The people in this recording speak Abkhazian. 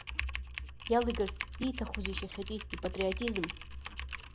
Иалигарц ииҭахузеишь иахьатәи ипатриотизм?